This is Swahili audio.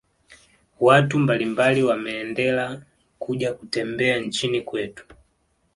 watu mbalimbali wameendela kuja kutembea nchini kwetu